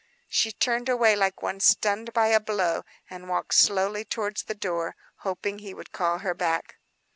She turned away like one stunned by a blow, and walked slowly towards the door, hoping he would call her back.